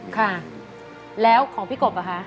ค่ะแล้วของพี่กบเหรอคะ